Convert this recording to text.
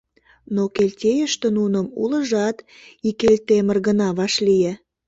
Но Келтейыште нуным улыжат ик Элтемыр гына вашлие.